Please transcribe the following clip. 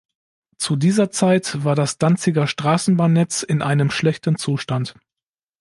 Zu dieser Zeit war das Danziger Straßenbahnnetz in einem schlechten Zustand.